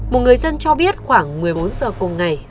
một người dân cho biết khoảng một mươi bốn giờ cùng ngày